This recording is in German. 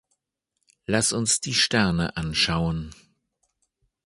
Lass uns die Sterne anschauen!